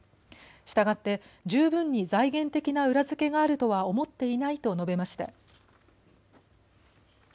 したがって十分に財源的な裏付けがあるとは思っていないと述べました。